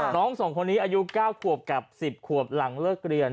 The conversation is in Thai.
สองคนนี้อายุ๙ขวบกับ๑๐ขวบหลังเลิกเรียน